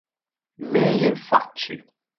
Mayr Facci